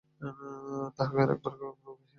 তাহাকে আর একবার গুরুগৃহে যাইতে হইল।